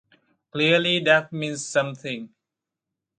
Clearly that means something.